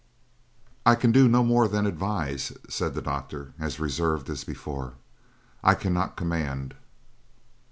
"I can do no more than advise," said the doctor, as reserved as before. "I cannot command."